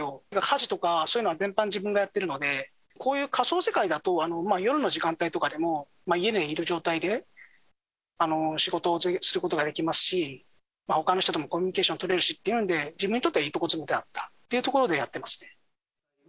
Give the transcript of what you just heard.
だから家事とか全般自分がやってるので、こういう仮想世界だと、夜の時間帯とかでも家にいる状態で仕事をすることができますし、ほかの人ともコミュニケーション取れるしっていうんで、自分にとってはいいことずくめだったということでやってますね。